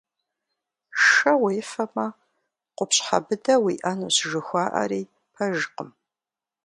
Шэ уефэмэ къупщхьэ быдэ уиӀэнущ жыхуаӀэри пэжкъым.